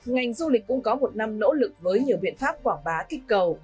ngành du lịch cũng có một năm nỗ lực với nhiều biện pháp quảng bá kích cầu